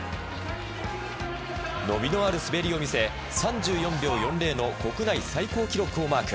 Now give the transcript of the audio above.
伸びのある滑りを見せ３４秒４０の国内最高記録をマーク。